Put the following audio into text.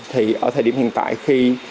thì ở thời điểm hiện tại